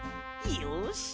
よし！